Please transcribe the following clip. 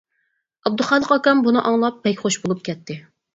ئابدۇخالىق ئاكام بۇنى ئاڭلاپ بەك خوش بولۇپ كەتتى.